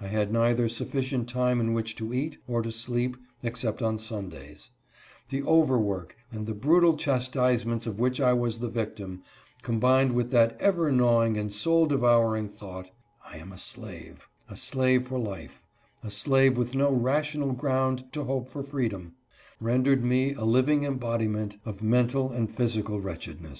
I had neither sufficient time in which to eat, or to sleep, except on Sundays. The over work, and the bfutal chastisements of which I was the victim, combined with that ever gnawing and soul devouring thought — "lam a slave ^a slave for life — a slave with no rational ground to hope for freedom" — rendered me a living embodiment of mental and physical wretchedne